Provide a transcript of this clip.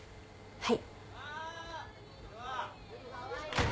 はい。